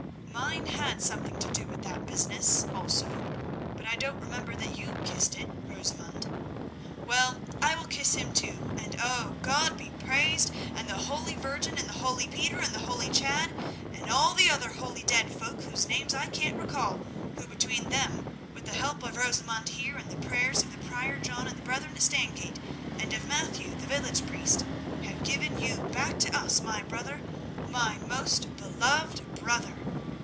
"Mine had something to do with that business also but I don't remember that you kissed it, Rosamund. Well, I will kiss him too, and oh! God be praised, and the holy Virgin, and the holy Peter, and the holy Chad, and all the other holy dead folk whose names I can't recall, who between them, with the help of Rosamund here, and the prayers of the Prior John and brethren at Stangate, and of Matthew, the village priest, have given you back to us, my brother, my most beloved brother."